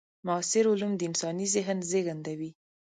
معاصر علوم د انساني ذهن زېږنده وي.